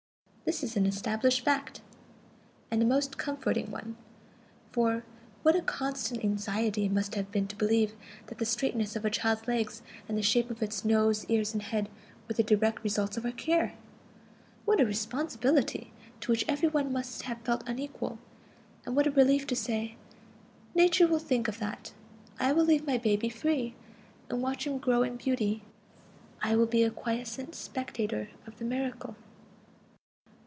This is an established fact, and a most comforting one; for what a constant anxiety it must have been to believe that the straightness of a child's legs, and the shape of its nose, ears, and head were the direct results of our care! What a responsibility, to which every one must have felt unequal! And what a relief to say: "Nature will think of that. I will leave my baby free, and watch him grow in beauty; I will be a quiescent spectator of the miracle."